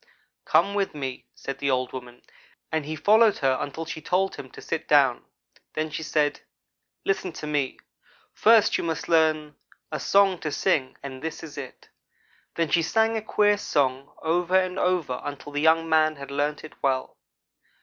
"'Come with me,' said the old woman, and he followed her until she told him to sit down. Then she said: 'Listen to me. First you must learn a song to sing, and this is it.' Then she sang a queer song over and over again until the young man had learned it well.